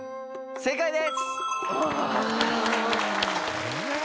正解です。